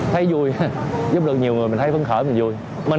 thấy vui giúp được nhiều người mình thấy vấn khởi mình vui